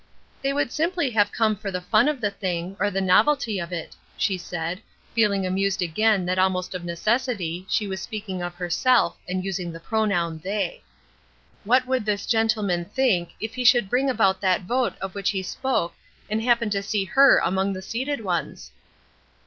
"They would simply have come for the fun of the thing, or the novelty of it," she said, feeling amused again that almost of necessity she was speaking of herself and using the pronoun "they." What would this gentleman think if he should bring about that vote of which he spoke and happen to see her among the seated ones?